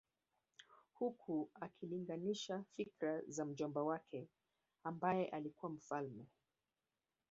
Huku akilinganisha fikra za mjomba wake ambaye alikuwa mfalme